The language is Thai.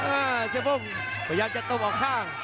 อ้าวเสื้อพ่งพยายามจะต้มออกข้าง